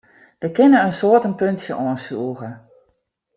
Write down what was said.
Dêr kinne in soad in puntsje oan sûge.